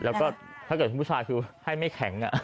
แล้วก็ถ้าเกิดคุณผู้ชายคือให้ไม่แข็ง